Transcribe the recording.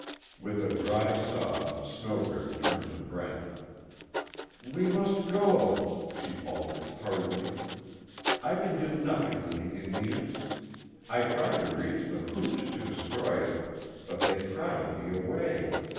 With a dry sob, Snowdrift turned to Brent: "We must go!" she faltered, hurriedly, "I can do nothing with the Indians. I tried to reach the hooch to destroy it, but they crowded me away.